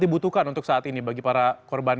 dibutuhkan untuk saat ini bagi para korban